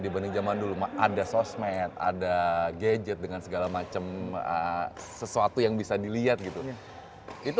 dibanding zaman dulu ada sosmed ada gadget dengan segala macam sesuatu yang bisa dilihat gitu itu